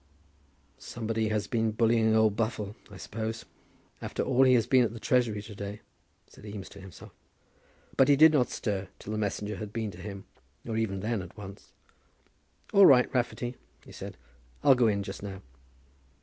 "Somebody has been bullying old Buffle, I suppose. After all he has been at the Treasury to day," said Eames to himself. But he did not stir till the messenger had been to him, nor even then, at once. "All right, Rafferty," he said; "I'll go in just now."